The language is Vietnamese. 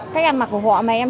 cách ăn mặc của họ mà em